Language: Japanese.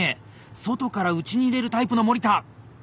外から内に入れるタイプの森田。